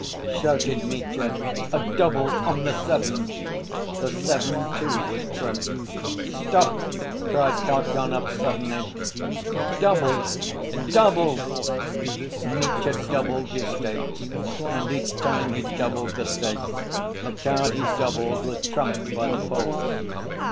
shouted Mitya. "A 'double' on the seven!" The seven too was trumped. "Stop!" cried Kalganov suddenly. "Double! Double!" Mitya doubled his stakes, and each time he doubled the stake, the card he doubled was trumped by the Poles.